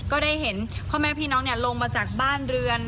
ก็ได้เห็นพ่อแม่พี่น้องลงมาจากบ้านเรือน